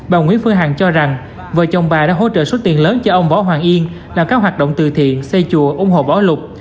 bà nguyễn phương hằng cho rằng vợ chồng bà đã hỗ trợ số tiền lớn cho ông võ hoàng yên làm các hoạt động từ thiện xây chùa ủng hộ bảo lục